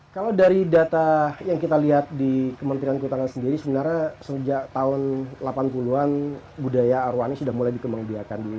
kalau dari data yang kita lihat di kementerian ketutangan sendiri sebenarnya sejak tahun delapan puluh an budaya arwah ini sudah mulai dikembangkan di berbagai tempat